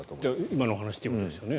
今のお話ということですよね。